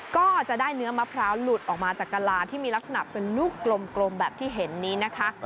ก็จะได้เนื้อมะพร้าวหลุดออกมาจากกะลาที่มีลักษณะเป็นลูกกลมแบบที่เห็นนี้นะคะ